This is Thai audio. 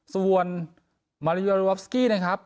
ส่วนมาริโยวอฟสกี้นะครับ